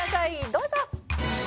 どうぞ！